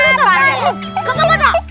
gak apa apa tak